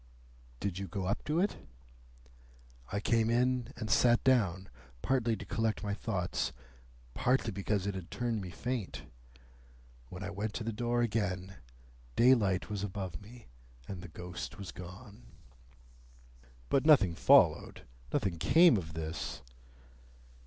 "Did you go up to it?" "I came in and sat down, partly to collect my thoughts, partly because it had turned me faint. When I went to the door again, daylight was above me, and the ghost was gone." "But nothing followed? Nothing came of this?"